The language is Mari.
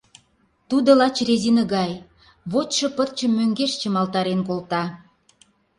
Тудо лач резина гай, вочшо пырчым мӧҥгеш чымалтарен колта.